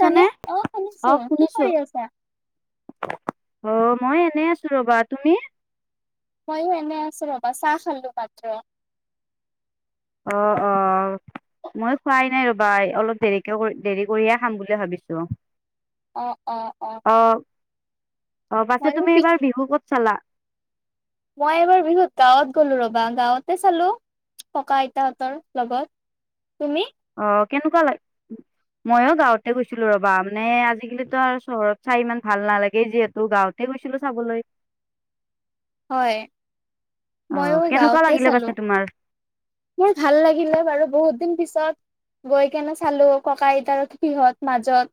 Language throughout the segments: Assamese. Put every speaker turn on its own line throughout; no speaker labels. শুনিছানে?
চানে অ শুনিছো কি কৰি আছা?
অঁ মই এনে আছো ৰবা, তুমি?
মইয়ো এনে আছো ৰবা, চাহ খালো মাত্ৰ।
অঁ অঁ মই খোৱাই নাই ৰবা অলপ দেৰিকে দেৰি কৰিয়ে খাম বুলি ভাবিছো।
অঁ অঁ অঁ
অ, অ পাছে
মইো
তুমি এইবাৰ বিহু ক'ত চালা?
মই এবাৰ বিহুত গাঁৱত গ'লো ৰবা গাঁৱতে চালো ককা আইতাহঁতৰ লগত। তুমি?
অ কেনেকোৱা লাগে? ময়ো গাঁৱতে গৈছিলো ৰবা মানে আজিকালিতো আৰু চহৰত চাই ইমান ভাল নালাগে, যিহেতু গাঁৱত- তাতে গৈছিলো চাবলৈ।
[unintelligible] হয়,
অ'
মইয়ো
কেনেকুৱা
গাঁৱতে
লাগিলে পাছে
চালো।
তোমাৰ?
মোৰ ভাল লাগিলে বাৰু বহুত দিন পিছত। গৈ কেনে চালো ককা আইতা সিহঁত মাজত।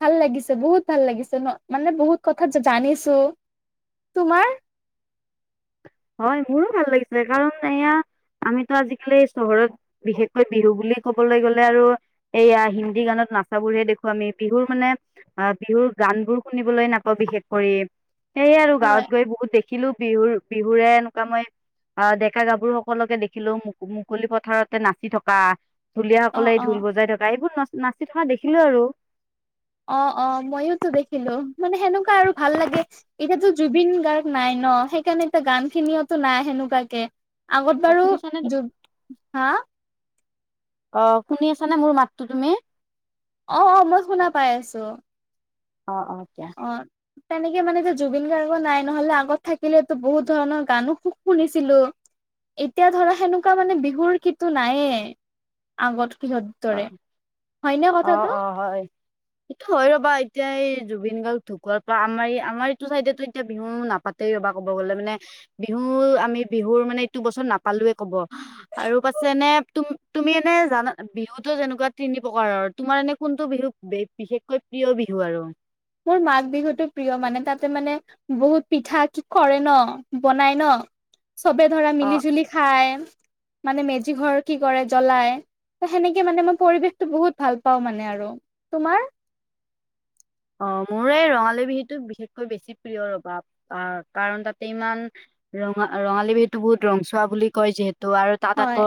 ভাল লাগিছে বহুত ভাল লাগিছে ন মানে বহুত কথা জানিছো তোমাৰ
হয় মোৰো ভাল লাগিছে, কাৰণ এয়া আমিতো আজিকালি চহৰত- বিশেষকৈ বিহু বুলি কবলৈ গ'লে আৰু- এইয়া হিন্দী গানত নাচাবোৰহে দেখো, আমি বিহুৰ মানে- অ বিহুৰ গান বোৰ শুনিবলৈ নাপাওঁ বিশেষ কৰি। সেয়ে আৰু
হয়
গাঁৱত গৈ বহুত দেখিলো বিহু বিহুৰে এনেকুৱা মই। অ ডেকা গাভৰু সকলকে দেখিলো মু মুকলি পথাৰতে নাচি থকা।
অ
ঢুলীয়াসকলে এই
অ
ঢোল বজাই থকা এইবোৰ নাচ নাচি থকা দেখিলো আৰু।
অঁ অঁ মইয়োতো দেখিলো মানে সেনেকুৱা আৰু ভাল লাগে। এতিাতো জুবিন গাৰ্গ নাই ন, সেইকাৰণে এটা গান খিনিওতো নাই সেনেকোৱাকে। আগত
অ
বাৰু,
শুনিছানে
জু হা-
অ শুনি আছানে মোৰ মাতটো তুমি?
অঁ অঁ মই শুনা পাই আছো।
অঁ অঁ দিয়া।
অঁ তেনেকে মানে এ জুবিন গাৰ্গ নাই নহলে আগত থাকিলেতো বহুত ধৰণৰ গানো শু শুনিছিলো। এতিয়া ধৰা সেনেকুৱা মানে বিহুৰ কিন্তু নাইয়ে, আগত কিহত?
অ
তৰে, হয়নে কথাটো?
হয় এইটো হয় ৰ'বা এতিয়া এই জুবিন গাৰ্গ ঢুকোৱাৰ পৰা আমাৰ আমাৰ এইটো চাইডো এতিয়া বিহু নাপা- ত ৰবা ক'ব গলে মানে বিহু আমি বিহুৰ মানে এইটো বছৰৰ নাপালোয়ে কব। আৰু পাছে এনে তুম তুমি এনেই জানা- বিহুতো যেনেকুৱা তিনি প্ৰকাৰৰ তোমাৰ এনে কোনটো বিহু বিশেষকৈ প্ৰিয় বিহু আৰু।
মোৰ মাঘ বিহুতটো প্ৰিয় মানে তাতে মানে- বহুত পিঠা কি কৰে ন বনাই ন চবে ধৰা
অ
মিলি জুলি। খাই, মানে মেজি ঘৰ কি কৰে জ্বলায়। ত সেনেকে মানে মই পৰিৱেশতটো বহুত ভাল পাও মানে আৰু, তোমাৰ?
অ মোৰ এই ৰঙালী বিহুতটো বিশেষকৈ বেছি প্ৰিয় ৰভাৱ আহ কাৰণ তাতে ইমান ৰঙা ৰঙালী বিহুটো বহুত ৰংচোৱা বুলি কয় যিহেতু আৰু তাত
হয়
আকৌ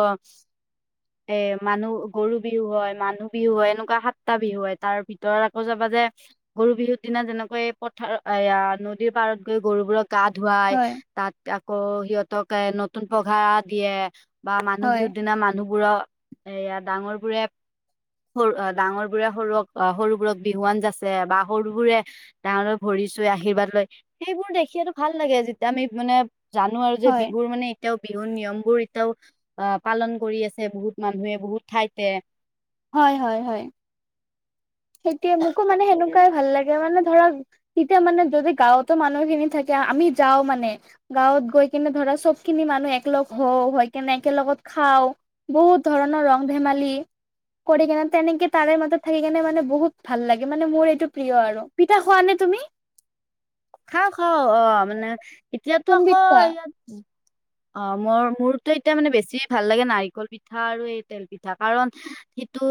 এ মানুহ গৰু বিহু হয় মানুহ বিহু হয় এনেকুৱা সাতটা বিহু হয় তাৰ ভিতৰত আকৌ যাবা যে গৰু বিহুৰ দিনা যেনেকৈ পথাৰ এয়া নদীৰ পাৰত গৈ গৰুবোৰক গা ধুৱাই
হয়
তাত আকৌ সিহঁতক এ নঊঊতুন পঘা দিয়ে। বা মানুহ
হয়
বিহুৰ দিনা মানুহবোৰৰ- এয়া ডাঙৰ বোৰে সৰু ডাঙৰ বোৰে সৰুক সৰুবোৰক বিহুৱান যা- আ বা সৰুবোৰে- ডাঙৰক ভৰি চুয়ে আশীৰ্বাদ লয় সেইবোৰ দেখিয়ো ভাল লাগে যেতিয়া আমি মানে জানো আৰু যে
হয়
বিহুৰ মানেই এতিয়াও বিহুৰ নিয়ম বোৰ এতিয়াও আহ পালন কৰি আছে বহুত মানুহে বহুত ঠাইতে
হয় হয় হয় সেইতোয়ে মোকো মানে সেনেকুৱাই ভাল লাগে মানে ধৰক তেতিয়া মানে যদি গাঁৱতো মানুহ খিনি থাকে আমি যাওঁ মানে গাঁৱত গৈ কিনে ধৰা চবখিনি মানুহ একলগ হওঁ হৈ কিনে একেলগত খাওঁ বহুত ধৰণৰ ৰং ধেমালি কৰি কিনে তেনেকে তাৰে মাজত থাকি কেনে মানে বহুত ভাল লাগে মানে মোৰ এইটো প্ৰিয় আৰু পিঠা খোৱা নে তুমি?
খাওঁ খাওঁ অ মানে এতিয়াতো আকৌ
কোনবিধ খোৱা
ইয়াত অ মোৰ মোৰতো এতিয়া মানে বেছি ভাল লাগে নাৰিকল পিঠা আৰু এই তেল পিঠা কাৰণ সিটো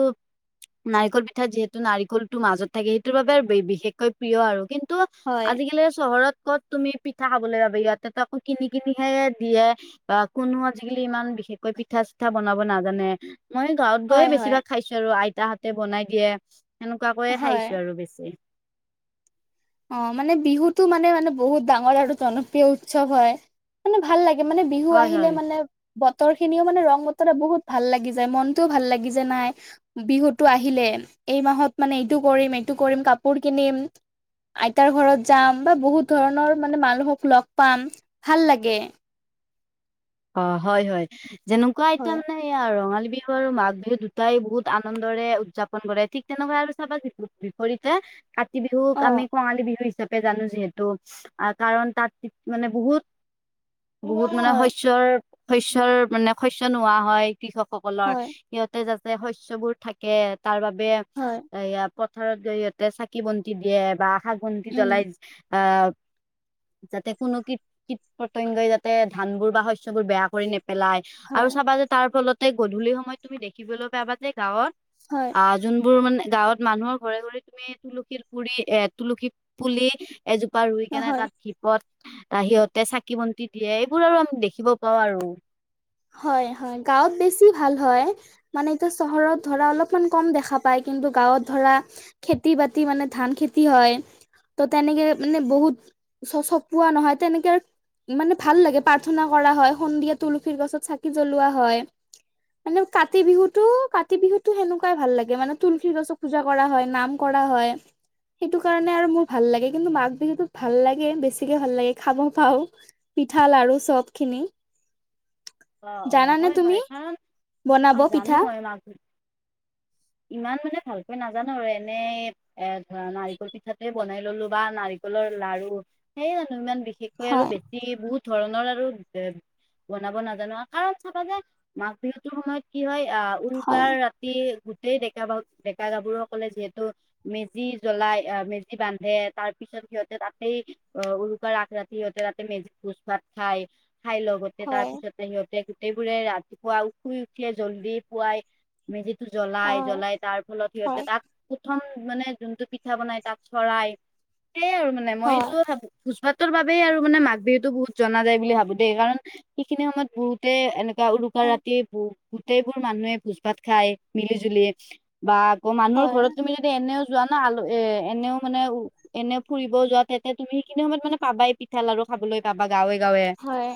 নাৰিকল পিঠা যিহেতু নাৰিকলটো মাজত থাকে সেইটোৰ বাবে বিশেষকৈ প্ৰিয় আৰু কিন্তু
হয়
কেলে চহৰত ক'ত তুমি পিঠা খাবলৈ যাবা ইয়াতে আকৌ কিনি কিনিহে দিয়ে বা কোনো আজিকালি ইমান বিশেষকৈ পিঠা চিঠা বনাব নাজানে মই গাঁৱত গৈয়ে
হয় হয়
বেছিভাগ খাইছো আৰু আইতাহঁতে বনাই দিয়ে সেনেকুৱাকৈয়ে
হয়
খাইছো আৰু বেছি
অ মানে বিহুতো মানে মানে বহুত ডাঙৰ আৰু জনপ্ৰিয় উৎসৱ হয় মানে ভাল লাগে মানে বিহু
হয়
আহিলে
হয়
মানে বতৰ খিনিও মানে ৰং বতৰত বহুত ভাল লাগি যায় মনটোও ভাল লাগি যে নাই বিহুটো আহিলে, এই মাহত মানে এইটো কৰিম এইটো কৰিম কাপোৰ কিনিম আইতাৰ ঘৰত যাম বা বহুত ধৰণৰ মানে মানুহক লগ পাম ভাল লাগে।
অ হয় হয় যেনেকুৱা আইতা
হয়।
মানে সেয়া ৰঙালী বিহু আৰু মাঘ বিহু দুটাই বহুত আনন্দৰে উদযাপন কৰে ঠিক তেনেকুৱা আৰু চাবা যিহোটি ভৰিতে কাতি বিহুক
অ
আমি কঙালী বিহু হিচাপ পে জানো যিহেতু কাৰণ তাত মানে বহুত বহুত মানে
হয়
শ স্যৰ শস্যৰ মানে শস্য নোহোৱা হয় কৃষকসকলৰ
হয়
সিহঁতে যাঁচে শস্যবোৰ থাকে তাৰ বাবে
হয়
এয়া প থাৰত জৰিয়তে চাকি বন্তি দিয়ে বা আকাশ বন্তি
উম
জ্বলাই আহ যাতে কোনো কীট কীট পতংগই যাতে ধানবোৰ বা শস্যবোৰ বেয়া কৰি নেপেলাই আৰু
হয়
চাবা যে তাৰ ফলতে গধূলি সময়ত তুমি দেখিবলৈ পাবা যে গাঁৱত
হয়
আহ যোনবোৰ মানে গাঁৱত মানুহৰ ঘৰে ঘৰে তুমি তুলসীৰ পুৰি এ তুলসী পুলি এজোপা ৰুই কেনে
হয়
তাত ধিপত সিহঁতে চাকি বন্তি দিয়ে এইবোৰ আৰু আমি দেখ খিব পাওঁ আৰু
হয় হয় গাঁৱত বেছি ভাল হয়। মানে এইটো চহৰত ধৰা অলপমান কম দেখা পায় কিন্তু গাঁৱত ধৰা খেতি বাতি মানে ধান খেতি হয় ত তেনেকে মানে বহুত চ চ চপোৱা নহয় তেনেকে মানে ভাল লাগে প্ৰাৰ্থনা কৰা হয় সন্ধিয়া তুলসীৰ গছত চাকি জ্বলোৱা হয় মানে কাতি বিহুতো কাতি বিহুতো সেনেকুৱাই ভাল লাগে মানে তুলসী গছক পূজা কৰা হয় নাম কৰা হয়। সেইটো কাৰণে আৰু মোৰ ভাল লাগে কিন্তু মাঘ বিহুতো ভাল লাগে বেছিকে ভাল লাগে খাব পাওঁ। পিঠা লাৰু চব খিনি
অ অ,
জানানে
হয়
তুমি
হয়, কাৰণ
বনাব
আৰু জানো
পিঠা
মই মাঘ ইমান মানে ভালকৈ নাজানো আৰু এনেই এ ধৰা নাৰিকল পিঠাতে বনাই ললো বা নাৰিকলৰ লাৰু, সেই আৰু ইমান বিশেষকৈ আৰু
হয়
বেছি এই বহুত ধৰণৰ আৰু এ বনাব নাজ জানোৱা কাৰণ চাবা যে মাঘ বিহুটোৰ সময়ত কি হয় আহ
হয়।
উৰুকাৰ ৰা টি গোটেই ডেকা বাহো ডেকা গাভৰুসকলে যিহেতু মেজি জ্বলাই, আহ মেজি বান্ধে, তাৰ পিছত সিহঁতে তাতেই উৰুকাৰ আগ ৰাতি সিহঁতে তাতে মেজি ভোজ ভাত খাই, খাই লগতে তাৰ
হয়,
পিছতে সিহঁতে গোটেইবোৰে ৰাতিপুৱা শুই উঠিয়ে জলদি পোৱাই মেজিটো জ্বলাই,
হয়,
জ্বলাই তাৰ ফলত সিহঁতে
হয়,
তাক উঠন মানে যোনটো পিঠা বনাই তাত চৰাই, সেইয়াই আৰু মানে
হয়,
মইটো ভাবো ভোজ ভাতৰ বাবেই আৰু মানে মাঘ বিহুটো বহুত জনা যায় বুলি ভাবো দেই। কাৰণ সিখিনি সময়ত বহুতে এনেকা উৰুকা ৰাতিয়ে পু গোটেইবোৰ মানুহে ভোজ ভাত খাই, মিলি জুলি বা আকৌ মানুহৰ
হয়,
ঘৰত তুমি এনেও যোৱা ন আলু এ এনেও মানে উ এনে ফুৰিবও যোৱা তেন্তে তুমি সেইখিনি সময়ত মানে পাবাই পিঠা লাৰু খাবলৈ পাবা গাঁৱে গাঁৱে।
হয়,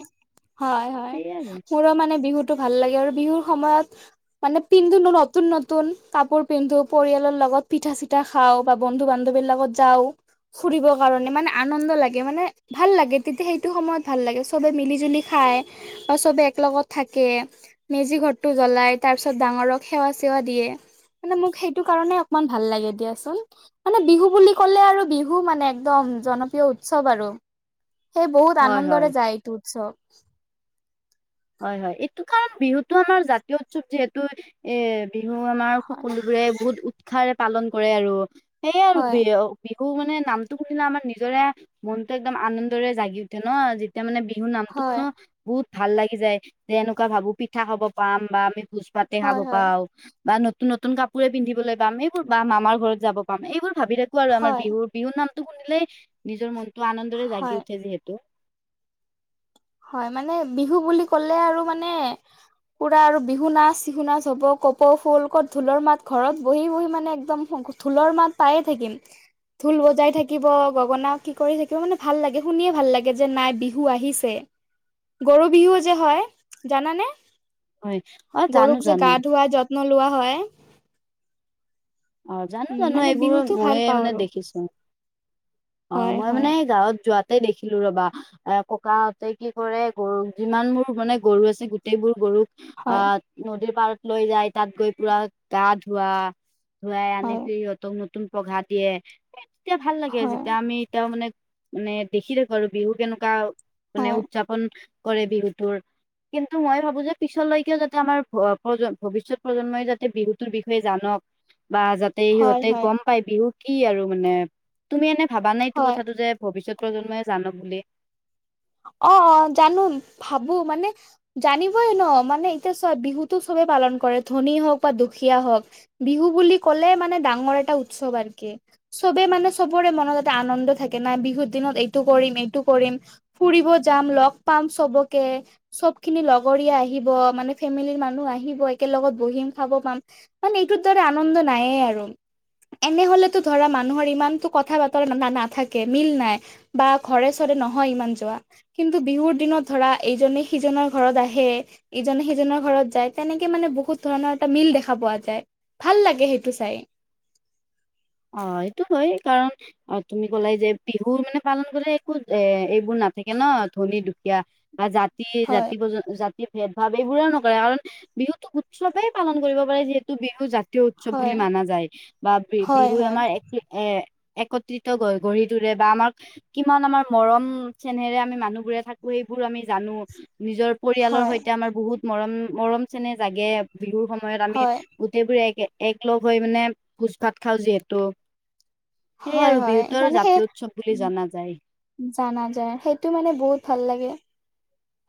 হয় হয়,
সেইয়াই আৰু
মোৰো মানে বিহুটো ভাল লাগে আৰু বিহুৰ সময়ত মানে পিন্ধো নো নতুন নতুন, কাপোৰ পিন্ধো পৰিয়ালৰ লগত পিঠা চিঠা খা খাওঁ বা বন্ধু বান্ধৱীৰ লগত যাওঁ, ফুৰিব কাৰণে মানে আনন্দ লাগে মানে, ভাল লাগে তেতিয়া সেইটো সময়ত ভাল লাগে চবে মিলিজুলি খায় বা চবে একলগত থাকে, মেজি ঘৰটো জ্বলাই, তাৰ পিছত ডাঙৰক সেৱা চেৱা দিয়ে। মানে মোক সেইটো কাৰণে অকমান ভাল লাগে দিয়াচোন। মানে বিহু বুলি ক'লে আৰু বিহু মানে একদম জনপ্ৰিয় উৎসৱ আৰু সেই বহুত
হয় হয়
আনন্দৰে যায় এইটো উৎসৱ।
হয় হয় এইটো কাৰণ বিহুতটো আমাৰ জাতীয় উৎসৱ যিহেতু এ বিহু আমাৰ
হয়
সকলো ওৰে বহুত উৎসাহৰে পালন কৰে আৰু সেইয় আৰু
হয়
বিহু মানে নামতটো শুনিলে আমাৰ নিজৰে মনতটো একদম আনন্দৰে জাগি উঠ তেতিয়া ন, যেতিয়া মানে বিহু
হয়,
নামটোসোনো বহুত ভাল লাগে যাই যে এনেকুৱা ভাবো, পিঠা খাব পাম বা আমি ভোজ ভাতে
হয়,
খাব
হয়,
পাওঁ। বা নতুন নতুন কাপোৰে পিন্ধিবলৈ পাম, এইবোৰ বা মামাৰ ঘৰত যাব পাম। এইবোৰ ভাবি থাকো আৰু আমাৰ
হয়,
বিহুত বিহুৰ নামটো শুনিলেই নিজৰ মনটো আনন্দৰে জাগি
হয়,
উঠে যিহেতু।
হয় মানে বিহু বুলি ক'লে আৰু মানে পুৰা আৰু বিহু নাচ, চিহু নাচ হ'ব কপৌ ফুল, ক'ত ঢোলৰ মাত ঘৰত বহি বহি মানে একদম ঢোলৰ মাত পায়ে থাকিম। ঢোল বজাই থাকিব, গগনা কি কৰি থাকিব, মানে ভাল লাগে শুনিয়ে ভাল লাগে যে নাই বিহু আহিছে। গৰু বিহু যে হয় জানানে?
হয় অ জানো
গৰুক যে
জানো
গা ধুৱাই য'ত ন্ন লোৱা হয়।
অ জানো
উম
জানো
মানে
এইবোৰ,
বিহুতো ভাল
ময়ে
পাওঁ
মানে
আৰু
দেখিছো। অ
হয়
মই
হয়
মানে গাঁৱত যোৱাতে দেখিলো ৰবা এ ককাহঁতে কি কৰে, গৰু যিমান বোৰ মানে গৰু আছে গোটেই বোৰ গৰুক
হয়
আহ নদীৰ পাৰত লৈ যায়, তাত গৈ পুৰা গা ধোৱা, ধোৱাই আনি
হয়
সিহঁতক নতুন পঘা দিয়ে, তেতিয়া ভাল লাগে
হয়
যেতিয়া আমি এতিয়া মানে মানে দেখি থাকো আৰু বিহু কেনেকুৱা মানে
হয়
উদযাপন কৰে বিহুটোৰ, কিন্তু মই ভাবো যে, পিছলৈকেও যাতে আমাৰ ভৱিষ্যত প্ৰজন্মই যাতে বিহুটোৰ বিষয়ে জানক, বা যাতে
হয়
সিহঁতে
হয়
গম পাই বিহু কি আৰু মানে, তুমি এনে ভাবা নাইটো
হয়
কথাটো যে ভৱিষ্যত প্ৰজন্মই জানক বুলি?
অ, অ জানো ভাবো মানে জানিবই ন মানে, এতিয়া চোৱা বিহুতো চবেই পালন কৰে ধনী হওক বা দুখীয়া হওক, বিহু বুলি কলে মানে, ডাঙৰ এটা উৎসৱ আৰকে। চবে মানে চবৰে মনত এটা আনন্দ থাকে না। বিহুৰ দিনত এইটো কৰিম, এইটো কৰিম, ফুৰিব যাম, লগ পাম চবকে চব খিনি লগৰীয়া আহিব, মানে ফেমিলিৰ মানুহ আহিব একেল লগত বহিম খাব পাম। মানে এইটোত দৰে আনন্দ নাই আৰু। এনেহলেতো ধৰা মানুহৰ ইমানতো কথা বতৰা নাথাকে, মিল নাই। বা ঘৰে চৰে নহয় ইমান দৱা কিন্তু বিহুৰ দিনত ধৰা এইজনে সিজনৰ ঘৰত আহে। ইজনে সিজনৰ ঘৰত যায়, তেনেকে মানে বহুত ধৰণৰ এটা মিল দেখা পোৱা যায়। ভাল লাগে সেইটো চাই।
অ সেইটো হয় কাৰণ অ তুমি কলাই যে বিহু মানে পালন কৰিলে একো এ এইবোৰ নাথাকে ন ধনী দুখীয়া জাতি, জাতি
হয়
প্ৰজ জাত- তীয় ভেদ ভাৱ এইবোৰৰে নকৰে কাৰণ বিহুতো উৎসৱেই পালন কৰিব পাৰে যিহেতু বিহু জাতীয় উৎসৱ বুলি
হয়
মানা যায় বা বেব
হয় হয়
এ একত্ৰিত গঢ়ি তোলে বা আমাক কিমান আমাৰ মৰম চেনেৰে আমি মানুহবোৰে থাকো সেইবোৰ আমি জানো নিজৰ পৰিয়ালৰ
হয়
সৈতে আমাৰ বহুত মৰম মৰম চেনেহ জাগে বিহুৰ সময়ত আমি
হয়
গোটেইবোৰ একে এক লগ হৈ মানে ভোজ ভাত খাওঁ যিহেতু। সেই
হয়
আৰু
হয়
বিহুতৰ
মানে সেই
জাতীয় উৎসৱ বুলি জনা যায়।
জানা যায় সেইটো মানে বহুত ভাল লাগে।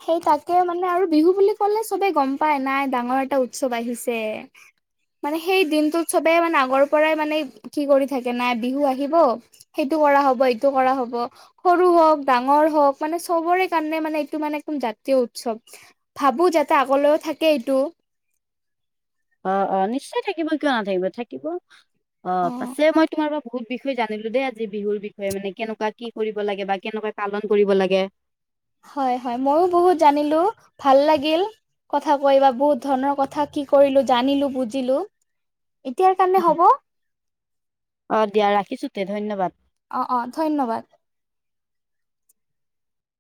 সেই তাকে মানে আৰু বিহু বুলি কলে চবে গম পাই নাই ডাঙৰ এটা উৎসৱ আহিছে। মানে সেই দিনটোত সবেই মানে আগৰ পৰাই মানে কি কৰি থাকে নাই বিহু আহিব। সেইটো কৰা হ'ব, এইটো কৰা হ'ব। সৰু হওক ডাঙৰ হওক মানে চবৰে কাৰণে মানে এইটো মানে তোম জাতীয় উৎসৱ ভাবো যাতে আগলৈও থাকে এইটো।
অ অ নিশ্চয় থাকিব কিয় নাথাকিব থাকিব অ পাছে মই তোমাৰ পৰা বহুত বিষয়ে জানিলো দেই আজি বিহুৰ বিষয়ে মানে কেনেকুৱা কি কৰিব লাগে বা কেনেকুৱা পালন কৰিব লাগে।
হয় হয় ময়ো বহুত জানিলো ভাল লাগিল। কথা কৈ বা বহুত ধৰণৰ কথা কি কৰিলো জানিলো বুজিলো। এতিয়াৰ কাৰণে হ'ব।
অ দিয়া ৰাখিছো তে ধন্যবাদ।
অ অ ধন্যবাদ।